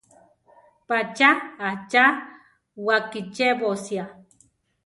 Patzá achá wakichébosia.